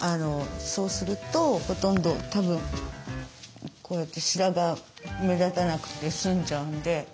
そうするとほとんどたぶんこうやって白髪目立たなくて済んじゃうんで。